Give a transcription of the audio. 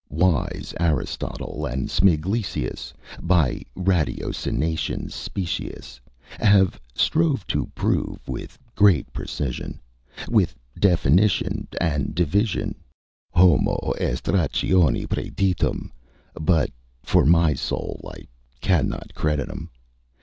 Wise Aristotle and Smiglesius, By ratiocinations specious, Have strove to prove with great precision, With definition and division, Homo est ratione praeditum; But, for my soul, I cannot credit 'em.